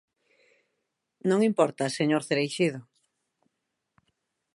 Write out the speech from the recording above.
Non importa, señor Cereixido.